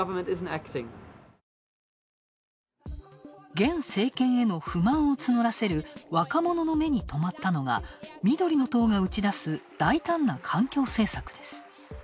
現政権への不満を募らせる若者の目に留まったのが緑の党が打ち出す大胆な環境政策です。